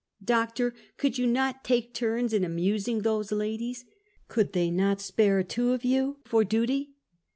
Doctor, could you not take turns in amusing those ladies'? Could they not spare two of you for duty?"